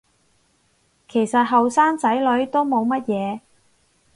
其實後生仔女都冇乜嘢